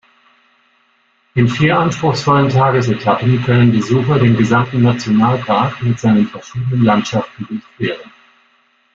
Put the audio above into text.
In vier anspruchsvollen Tagesetappen können Besucher den gesamten Nationalpark mit seinen verschiedenen Landschaften durchqueren.